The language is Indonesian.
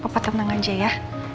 papa temen aja ya